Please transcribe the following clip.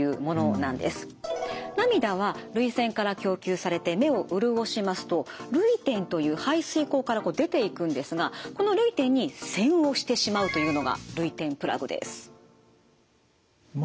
涙は涙腺から供給されて目を潤しますと涙点という排水溝から出ていくんですがこの涙点に栓をしてしまうというのが涙点プラグです。